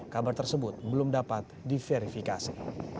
kabar tersebut belum dapat diverifikasi